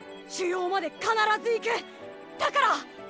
腫瘍まで必ず行く！だから。